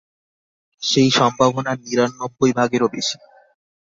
সেই সম্ভাবনা নিরানব্বই ভাগেরও বেশি।